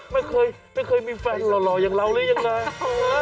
ไม่เคยไม่เคยมีแฟนหล่ออย่างเราหรือยังไง